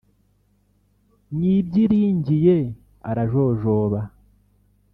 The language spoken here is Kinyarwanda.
Nyibyiringiye arajojoba